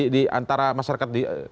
di antara masyarakat di